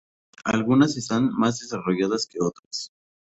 Algunas están más desarrolladas que otras.